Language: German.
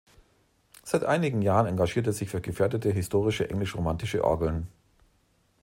Seit einigen Jahren engagiert er sich für gefährdete, historische Englisch-romantische Orgeln.